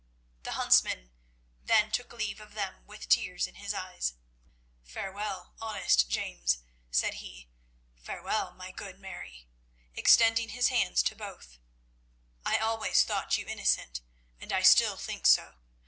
The huntsman then took leave of them with tears in his eyes. "Farewell, honest James," said he, "farewell, my good Mary," extending his hands to both. "I always thought you innocent, and I still think so.